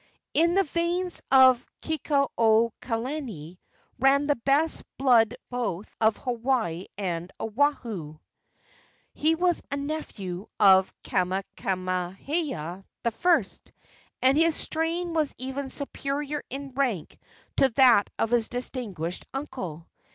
In the veins of Kekuaokalani ran the best blood both of Hawaii and Oahu. He was a nephew of Kamehameha I., and his strain was even superior in rank to that of his distinguished uncle.